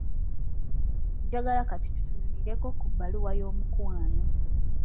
Njagala kati tutunuulireko ku bbaluwa y'omukwano.